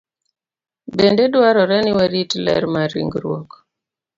Bende dwarore ni warit ler mar ringruok.